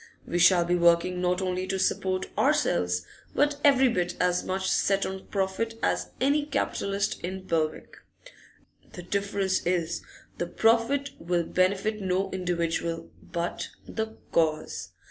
We shall be working not only to support ourselves, but every bit as much set on profit as any capitalist in Belwick. The difference is, that the profit will benefit no individual, but the Cause.